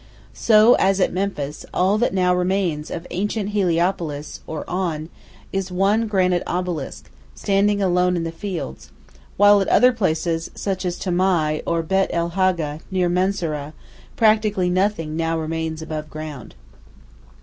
So, as at Memphis, all that now remains of ancient Heliopolis, or On, is one granite obelisk, standing alone in the fields; while at other places, such as Tamai or Bête el Haga near Mansūrah, practically nothing now remains above ground.